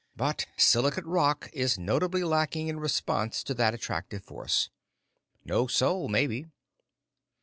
But silicate rock is notably lacking in response to that attractive force. No soul, maybe.